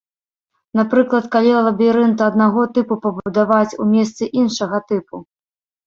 Напрыклад, калі лабірынт аднаго тыпу пабудаваць у месцы іншага тыпу?